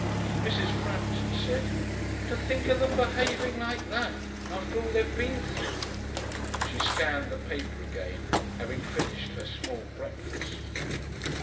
Mrs. Frampton said, 'To think of them behaving like that, after all they've been through!' She scanned the paper again, having finished her small breakfast.